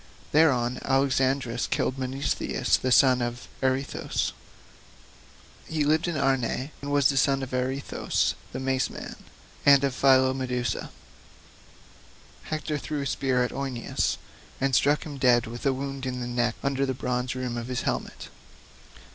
Thereon Alexandrus killed Menesthius the son of Areithous; he lived in Arne, and was son of Areithous the Mace man, and of Phylomedusa. Hector threw a spear at Eioneus and struck him dead with a wound in the neck under the bronze rim of his helmet.